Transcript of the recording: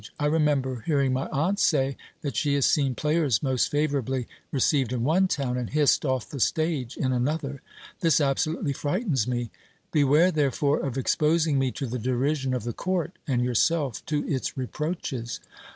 I remember hearing my aunt say, that she has seen players most favourably re ceived in one town, and hissed off the stage in another ; this absolutely frightens me ; beware therefore of exposing me to the derision of the court, and yourself to its reproaches.